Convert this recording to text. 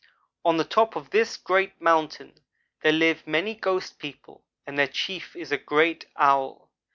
On the top of this great mountain there live many ghost people and their chief is a great Owl.